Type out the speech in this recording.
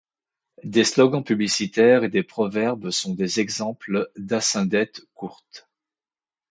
Des slogans publicitaires et des proverbes sont des exemples d'asyndètes courtes.